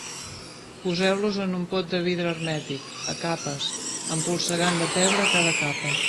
Poseu-los en un pot de vidre hermètic, a capes, empolsegant de pebre cada capa.